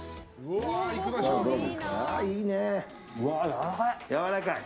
うわ、やわらかい！